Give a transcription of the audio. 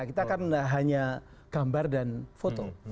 kita kan hanya gambar dan foto